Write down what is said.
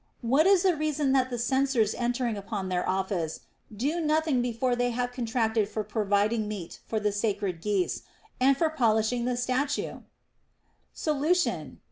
What is the reason that the censors en tering upon their office do nothing before they have con tracted for providing meat for the sacred geese, and for pol ishing the statue X Solution.